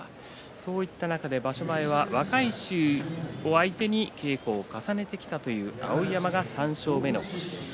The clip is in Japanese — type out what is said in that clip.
そういった中で場所前は若い衆を相手に稽古を重ねてきたという碧山が３勝目の星です。